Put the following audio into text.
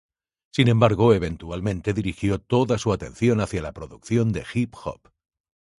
Sin embargo, eventualmente dirigió toda su atención hacia la producción de hip hop.